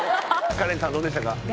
カレンさんどうでしたか？